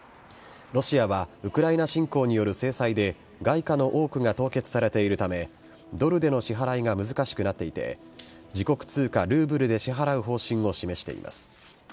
ロシアはウクライナ侵攻による制裁で、外貨の多くが凍結されているため、ドルでの支払いが難しくなっていて、自国通貨、ルーブルで支払う方針を示しています。